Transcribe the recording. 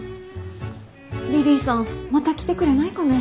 リリィさんまた来てくれないかね？